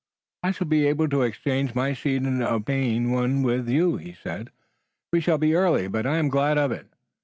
"I shall be able to exchange my seat and obtain one with you," he said. "We shall be early, but I am glad of it.